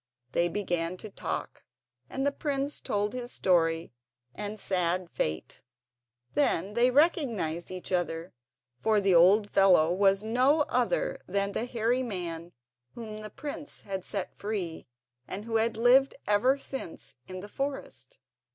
They began to talk, and the prince told his story and sad fate. Then they recognised each other, for the old fellow was no other than the hairy man whom the prince had set free, and who had lived ever since in the forest.